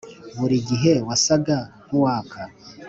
buri gihe wasaga nkuwaka.